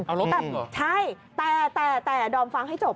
เอาลบจริงเหรอใช่แต่ดอมฟังให้จบ